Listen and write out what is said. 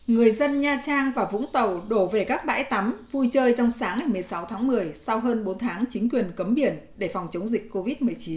người dân nha trang và vũng tàu đổ về các bãi tắm vui chơi trong sáng ngày một mươi sáu tháng một mươi sau hơn bốn tháng chính quyền cấm biển để phòng chống dịch covid một mươi chín